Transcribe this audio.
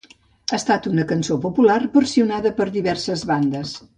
Ha estat una cançó popular, versionada per diverses bandes.